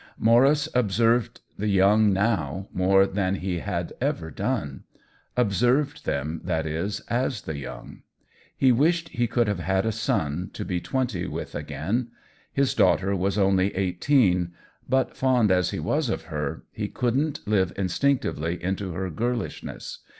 Maurice observed the young now more than he had ever done ; observed them, that is, as the young. He wished he could have had a son, to be twenty with again ; his daughter was only eighteen ; but fond as he was of her, he couldn't live instinctively into her girlish ness.